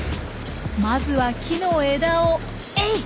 まずは木の枝を「えい！」。